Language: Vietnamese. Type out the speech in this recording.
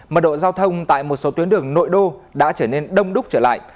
mật độ giao thông tại một số tuyến đường nội đô đã trở nên đông đúc trở lại